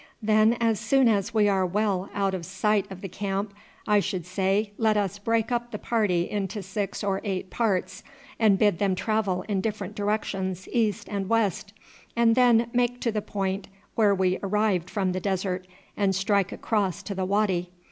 Then as soon as we are well out of sight of the camp I should say let us break up the party into six or eight parts and bid them travel in different directions east and west, and then make to the point where we arrived from the desert, and strike across to the wady.